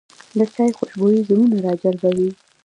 د چای خوشبويي زړونه راجلبوي